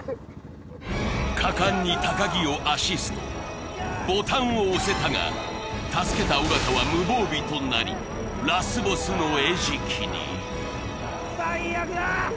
果敢に木をアシストボタンを押せたが助けた尾形は無防備となりラスボスの餌食に最悪だ！